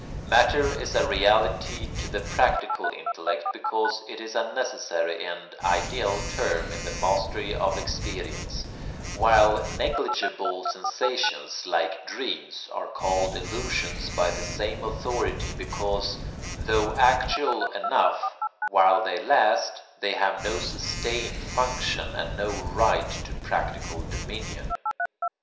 Matter is a reality to the practical intellect because it is a necessary and ideal term in the mastery of experience; while negligible sensations, like dreams, are called illusions by the same authority because, though actual enough while they last, they have no sustained function and no right to practical dominion.